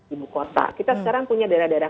ibu kota kita sekarang punya daerah daerah